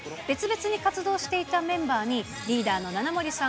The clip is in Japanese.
別々に活動していたメンバーに、リーダーのななもり。